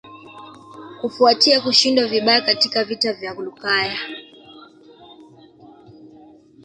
Kufuatia kushindwa vibaya katika vita vya Lukaya